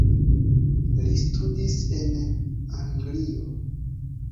Li studis en Anglio.